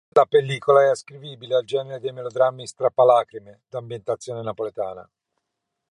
La pellicola è ascrivibile al genere dei melodrammi "strappalacrime" d'ambientazione napoletana.